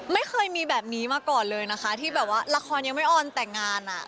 ไม่เคยมีแบบนี้มาก่อนเลยนะคะที่แบบว่าละครยังไม่ออนแต่งงานอ่ะ